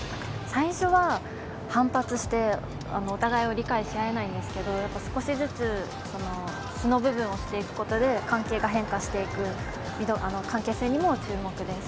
最初は反発して小田櫂を理解し合えないんですけど、少しずつ素の部分を知っていくことで関係が変化していく、関係性にも注目です。